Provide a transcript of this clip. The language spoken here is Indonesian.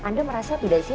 anda merasa tidak sih